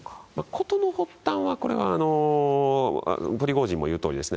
事の発端は、これはプリゴジンも言うとおりですね。